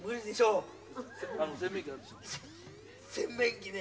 洗面器ね。